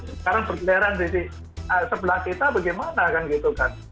sekarang bergeleran di sebelah kita bagaimana kan gitu kan